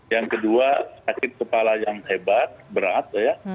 yang kedua sakit kepala yang hebat berat ya